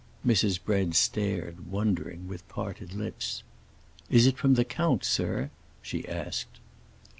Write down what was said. Mrs. Bread stared, wondering, with parted lips. "Is it from the count, sir?" she asked.